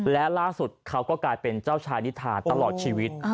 และล่าสุดเขาก็กลายเป็นเจ้าชายนิทาตลอดชีวิต